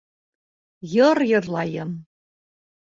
Йыр йырлайым.